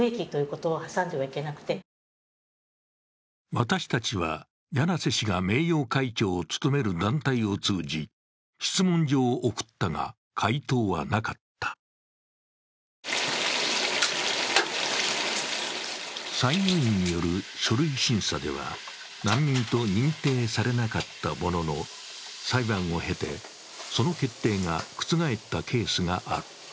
私たちは柳瀬氏が名誉会長を務める団体を通じ、質問状を送ったが、回答はなかった参与員による書類審査では難民と認定されなかったものの、裁判を経て、その決定が覆ったケースがある。